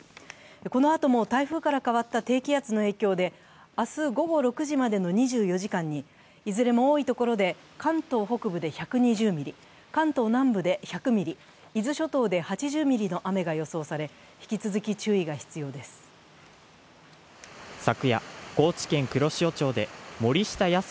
このあとも台風から変わった低気圧の影響で、明日午後６時までの２４時間にいずれも多いところで、関東北部で１２０ミリ、関東南部で１００ミリ、伊豆諸島で８０ミリの雨が予想され、引き続き注意が必要です。